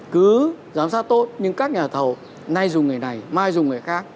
cứ giám sát tốt nhưng các nhà thầu nay dùng người này mai dùng người khác